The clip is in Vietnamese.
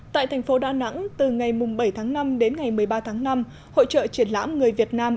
tại thành phố đà nẵng từ ngày bảy tháng năm đến ngày một mươi ba tháng năm hội trợ triển lãm người việt nam